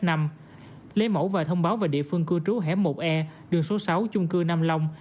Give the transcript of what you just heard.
lấy mẫu và thông báo về địa phương cư trú hẻm một e đường số sáu chung cư nam long